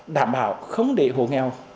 đảm bảo không để hồ nghèo